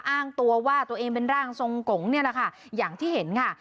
อ้างตัวว่าตัวเองเป็นร่างทรงกงนี่แหละค่ะอย่างที่เห็นค่ะ